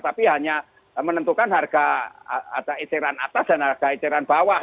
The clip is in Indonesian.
tapi hanya menentukan harga itiran atas dan harga itiran bawah